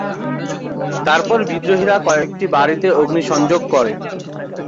তারপর বিদ্রোহীরা কয়েকটি বাড়িতে অগ্নিসংযোগ করে।